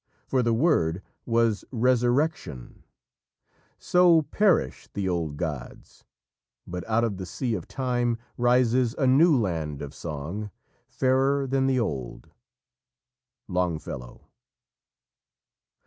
For the word was Resurrection. "So perish the old Gods! But out of the sea of time Rises a new land of song, Fairer than the old." Longfellow.